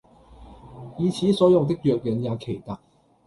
以此所用的藥引也奇特：